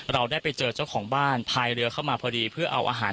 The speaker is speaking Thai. เราได้ไปเจอเจ้าของบ้านพายเรือเข้ามาพอดีเพื่อเอาอาหาร